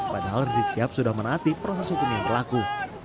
padahal rizik sihab sudah menaati proses hukum yang berlaku